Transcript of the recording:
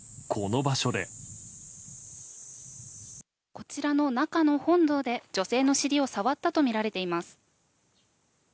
こちらの中の本堂で女性の尻を触ったとみられています。